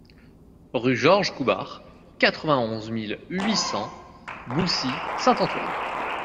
Rue Georges Coubard, quatre-vingt-onze mille huit cents Boussy-Saint-Antoine